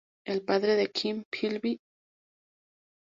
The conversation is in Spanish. El padre de Kim Philby, St.